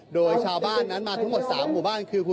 โดยชาวบ้านนั้นมาทั้งหมด๓หมู่บ้านคือ